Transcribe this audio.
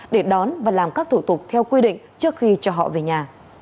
để đón và làm các thủ tục theo quy định trước khi cho họ về nhà